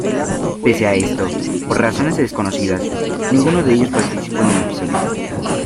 Pese a esto, por razones desconocidas, ninguno de ellos participó en el episodio.